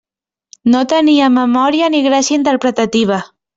No tenia memòria ni gràcia interpretativa.